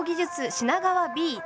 品川Ｂ